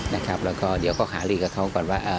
แล้วก็เดี๋ยวเขาหาลือกับเขาก่อนว่า